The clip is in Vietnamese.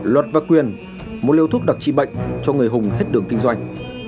luật và quyền mua liều thuốc đặc trị bệnh cho người hùng hết đường kinh doanh